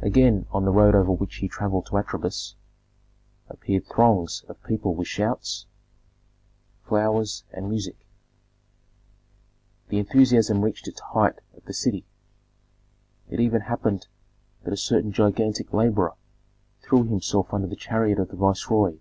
Again, on the road over which he travelled to Atribis, appeared throngs of people with shouts, flowers, and music. The enthusiasm reached its height at the city. It even happened that a certain gigantic laborer threw himself under the chariot of the viceroy.